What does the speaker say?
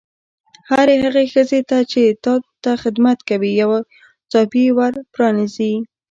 هرې هغې ښځې ته چې تا ته خدمت کوي یا ناڅاپي ور پرانیزي.